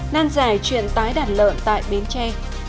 năn giải chuyện tái đàn lợn tại bến tre